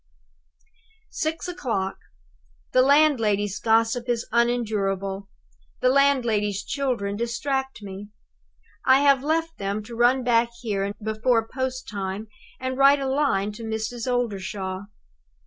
"Six o'clock. The landlady's gossip is unendurable; the landlady's children distract me. I have left them to run back here before post time and write a line to Mrs. Oldershaw.